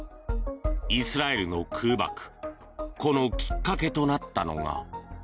イスラエルの空爆このきっかけとなったのが。